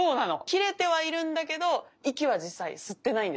切れてはいるんだけど息は実際吸ってないんです。